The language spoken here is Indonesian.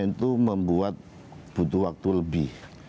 itu membuat butuh waktu lebih